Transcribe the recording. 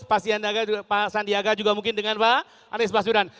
pak sandiaga juga mungkin dengan pak anies basudan